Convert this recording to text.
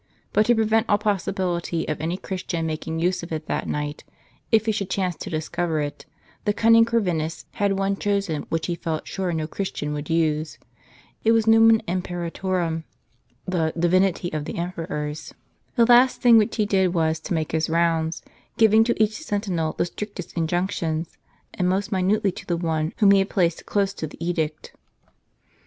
But to prevent all possibility of any Christian making use of it that night, if he should chance to discover it, the cunning Corvinus had one chosen which he felt sure no Christian would use. It was numen imperatorum; the "Divinity of the Emperors." The last thing which he did was to make his rounds, giving to each sentinel the strictest injunctions; and most minutely to the one whom he had placed close to the edict.